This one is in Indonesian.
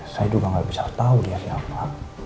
saya juga nggak bisa tahu dia siapa